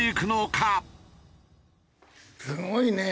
すごいね。